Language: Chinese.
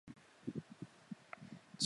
其上可以装备不同的范数。